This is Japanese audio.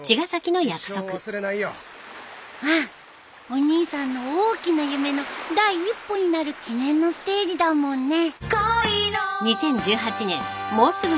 お兄さんの大きな夢の第一歩になる記念のステージだもんね。